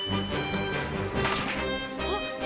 あっ！